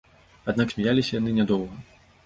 Аднак смяяліся яны нядоўга.